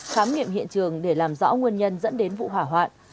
khám nghiệm hiện trường để làm rõ nguyên nhân dẫn đến vụ hỏa hoạn